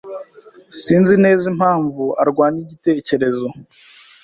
Sinzi neza impamvu arwanya igitekerezo.